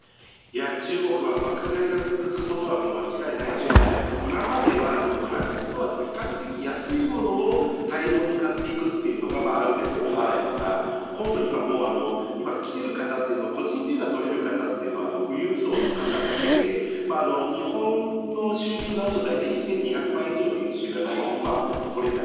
中国は爆買いが続くことはもう間違いないんですけど、今まではドラッグストアとか、比較的安いものを大量に買っていくっていうのがある程度多かったのが、今度、今もう、今来てる方っていうのは、個人ビザ取れる方というのは、富裕層の方だけで、日本の収入に直すと大体１２００万以上収入がないと今、来れない。